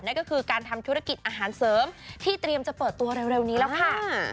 นั่นก็คือการทำธุรกิจอาหารเสริมที่เตรียมจะเปิดตัวเร็วนี้แล้วค่ะ